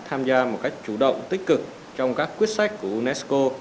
tham gia một cách chủ động tích cực trong các quyết sách của unesco